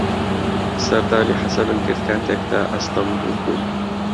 سەردانی حەسەنم کرد کاتێک لە ئەستەنبوڵ بووم.